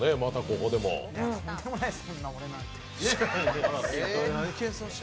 とんでもないです。